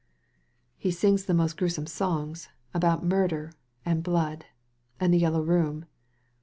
*" He sings the most gruesome songs — about murder, and blood, and the Yellow Room."